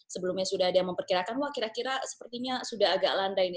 sebelumnya sudah ada yang memperkirakan wah kira kira sepertinya sudah agak landai ini